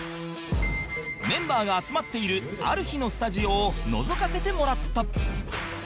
メンバーが集まっているある日のスタジオをのぞかせてもらった